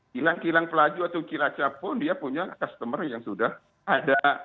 kilang kilang pelaju atau cilacap pun dia punya customer yang sudah ada